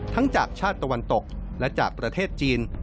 จากชาติตะวันตกและจากประเทศจีน